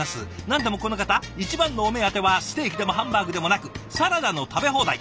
何でもこの方一番のお目当てはステーキでもハンバーグでもなくサラダの食べ放題。